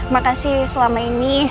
makasih selama ini